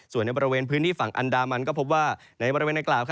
ส่วนในบริเวณพื้นที่ฝั่งอันดามันก็พบว่า